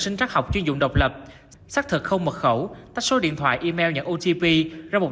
sinh trắc học chuyên dụng độc lập xác thực không mật khẩu tách số điện thoại email nhận otp ra một